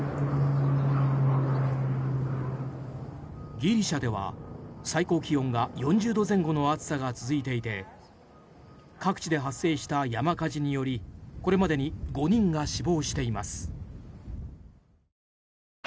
ギリシャでは最高気温が４０度前後の暑さが続いていて各地で発生した山火事によりこれまでに５人が死亡しています。